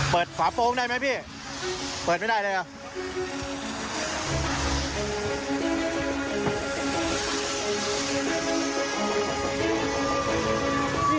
เปิดขวาโปรงได้ไหมพี่เปิดไม่ได้เลยอ่ะ